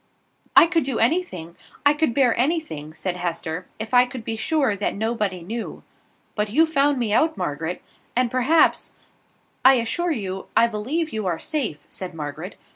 "I could do anything, I could bear anything," said Hester, "if I could be sure that nobody knew. But you found me out, Margaret, and perhaps " "I assure you, I believe you are safe," said Margaret.